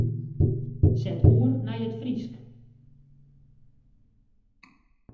Set oer nei it Frysk.